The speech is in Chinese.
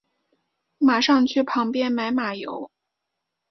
马上去旁边买马油